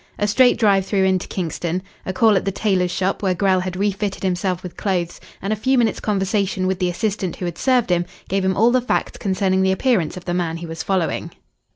A straight drive through into Kingston, a call at the tailor's shop where Grell had re fitted himself with clothes, and a few minutes' conversation with the assistant who had served him, gave him all the facts concerning the appearance of the man he was following.